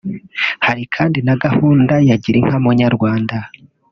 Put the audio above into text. Hari kandi na gahunda ya Girinka munyarwanda